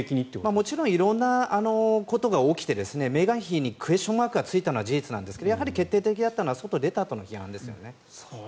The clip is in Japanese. もちろん色んなことが起きてメーガン妃にクエスチョンマークがついたのは事実ですが決定的だったのは外に出たあとの批判ですよね。